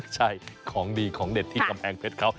ใช่ของดีของเด็ดที่กำแพงเพชรเขา